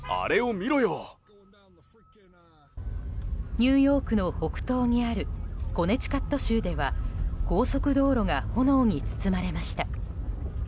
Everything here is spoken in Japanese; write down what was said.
ニューヨークの北東にあるコネティカット州では高速道路が炎に包まれました。